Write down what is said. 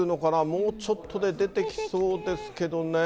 もうちょっとで出てきそうですけどね。